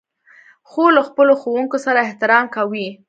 خور له خپلو ښوونکو سره احترام کوي.